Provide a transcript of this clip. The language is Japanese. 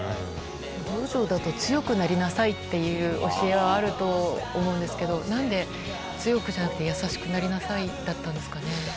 文章だと強くなりなさいっていう教えはあると思うんですけど、なんで、強くじゃなくて、優しくなりなさいだったんですかね。